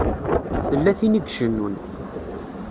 Tella tin i icennun.